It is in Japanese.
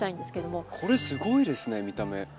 これすごいですね見た目。